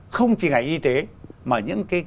không chỉ ngành y tế mà những